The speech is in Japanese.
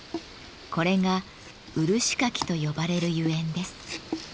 これが漆かきと呼ばれるゆえんです。